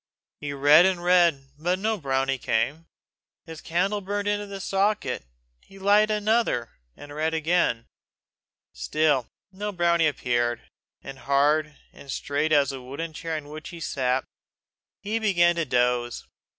He read and read, but no brownie came. His candle burned into the socket. He lighted another, and read again. Still no brownie appeared, and, hard and straight as was the wooden chair on which he sat, he began to doze.